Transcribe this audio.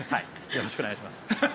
よろしくお願いします。